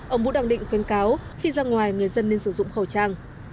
ông vũ đăng định khuyến cáo khi ra ngoài người dân nên sử dụng khẩu trang